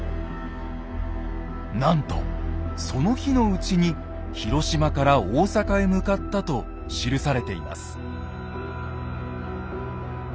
なんとその日のうちに広島から大坂へ向かったと記されています。